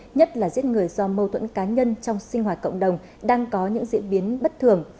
nhất là giết người do mâu thuẫn cá nhân trong sinh hoạt cộng đồng đang có những diễn biến bất thường